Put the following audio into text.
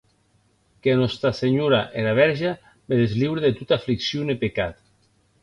Que Nòsta Senhora era Vèrge me desliure de tota afliccion e pecat.